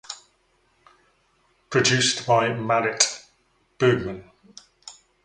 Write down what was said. Produced by Marit Bergman.